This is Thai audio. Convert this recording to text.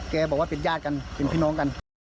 บอกว่าเป็นญาติกันเป็นพี่น้องกัน